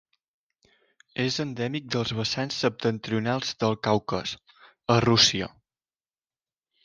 És endèmic dels vessants septentrionals del Caucas, a Rússia.